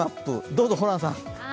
どうぞホランさん。